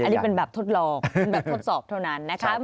อันนี้เป็นแบบทดลองทดสอบเท่านั้นนะคะ